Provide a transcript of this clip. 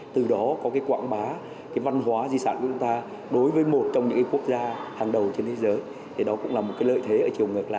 từ đó có quảng bá văn hóa di sản của chúng ta đối với một trong những quốc gia hàng đầu trên thế giới đó cũng là một lợi thế ở chiều ngược lại